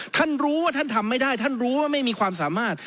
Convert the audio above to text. ท่านรู้ว่าท่านทำไม่ได้ท่านรู้ว่าไม่มีความสามารถ